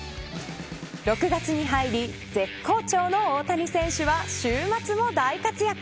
６月に入り、絶好調の大谷選手は週末も大活躍。